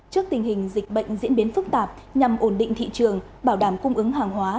trước tình hình dịch bệnh diễn biến phức tạp nhằm ổn định thị trường bảo đảm cung ứng hàng hóa